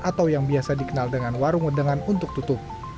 atau yang biasa dikenal dengan warung ledengan untuk tutup